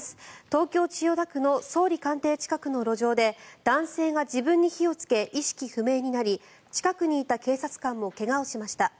東京・千代田区の総理官邸近くの路上で男性が自分に火をつけ意識不明になり近くにいた警察官も怪我をしました。